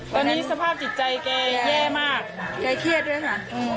ตอนนี้สภาพจิตใจแกแย่มากแกเครียดด้วยค่ะ